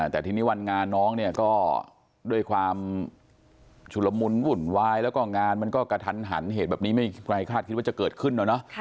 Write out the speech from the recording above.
แต่ทีนี้วันงานน้องเนี่ยก็ด้วยความชุดละมุนวุ่นวายแล้วก็งานมันก็กระทันหันเหตุแบบนี้ไม่มีใครคาดคิดว่าจะเกิดขึ้นเนอะ